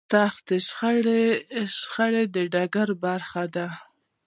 سختې شخړې د دې ډګر برخه دي.